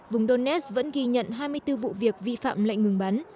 vùng donets vẫn ghi nhận hai mươi bốn vụ việc vi phạm lệnh ngừng bắn